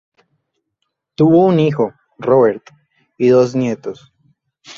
Tuvo un hijo, Robert, y dos nietos.